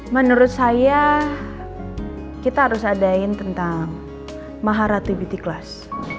menurut saya kita harus adain tentang maharapy beauty class